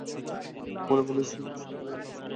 মনে পড়ল Cynthia Elvis নামে বন্ডি একটা মেয়ে তার ক্লাসে আছে।